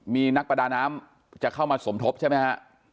มีนักประดาน้ำจะเข้ามาสมทบใช่ไหมฮะ